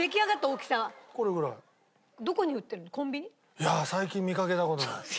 いや最近見かけた事ない。